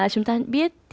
chúng ta biết